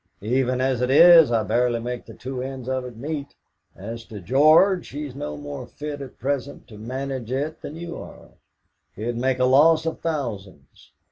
"Even as it is, I barely make the two ends of it meet. As to George, he's no more fit at present to manage it than you are; he'd make a loss of thousands."